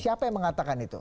siapa yang mengatakan itu